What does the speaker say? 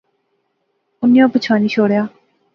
اُنی او پچھانی شوڑیا